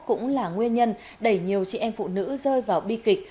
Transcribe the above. cũng là nguyên nhân đẩy nhiều chị em phụ nữ rơi vào bi kịch